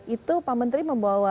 itu pak menteri membawa